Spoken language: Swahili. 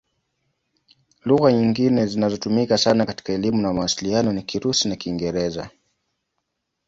Lugha nyingine zinazotumika sana katika elimu na mawasiliano ni Kirusi na Kiingereza.